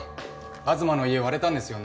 東の家われたんですよね？